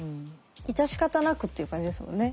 致し方なくっていう感じですもんね